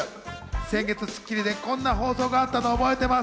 先月『スッキリ』でこんな放送があったの覚えてます。